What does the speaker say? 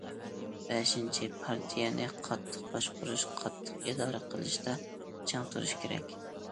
بەشىنچى، پارتىيەنى قاتتىق باشقۇرۇش، قاتتىق ئىدارە قىلىشتا چىڭ تۇرۇش كېرەك.